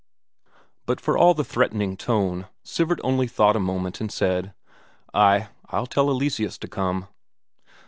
But for all the threatening tone, Sivert only thought a moment, and said: "Ay, I'll tell Eleseus to come."